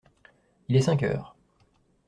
Il est cinq heures.